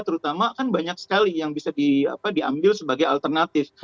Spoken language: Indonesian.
terutama kan banyak sekali yang bisa diambil sebagai alternatif